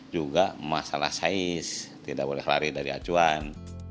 juga masalah sains tidak boleh lari dari acuan